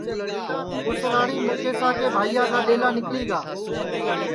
اُس راڑیم مُکیشا کے بھائیا کا ڈؔیلا نیکݪی گا